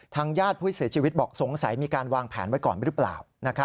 ญาติผู้เสียชีวิตบอกสงสัยมีการวางแผนไว้ก่อนหรือเปล่า